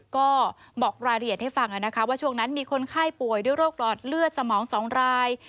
ก็บอกรายละเอียดให้ฟังนะคะว่าช่วงนั้นมีคนไข้ป่วยด้วยโรคหลอดเลือดสมอง๒ราย